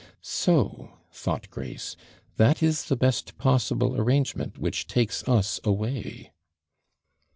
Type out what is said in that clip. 'So,' thought Grace, 'that is the best possible arrangement which takes us away.'